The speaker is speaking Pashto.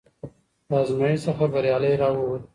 د ازمېښت څخه بریالی راووت،